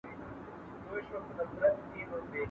¬ ول بازار ته څه وړې، ول طالع.